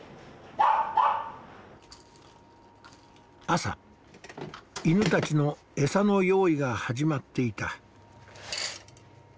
朝犬たちのエサの用意が始まっていた。